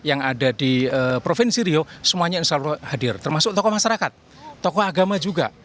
ada di provinsi rio semuanya insyaallah hadir termasuk tokoh masyarakat tokoh agama juga